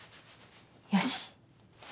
よし。